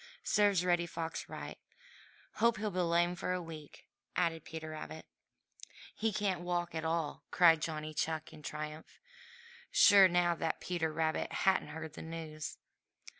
Serves Reddy Fox right. Hope he'll be lame for a week," added Peter Rabbit. "He can't walk at all!" cried Johnny Chuck in triumph, sure now that Peter Rabbit hadn't heard the news.